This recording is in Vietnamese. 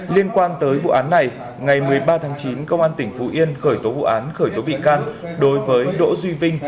liên quan tới vụ án này ngày một mươi ba tháng chín công an tỉnh phú yên khởi tố vụ án khởi tố bị can đối với đỗ duy vinh